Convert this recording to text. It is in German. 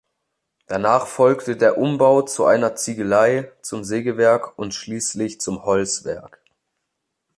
Danach folgte der Umbau zu einer Ziegelei, zum Sägewerk und schließlich zum Holzwerk.